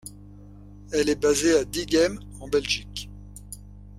Elle est basée à Diegem en Belgique.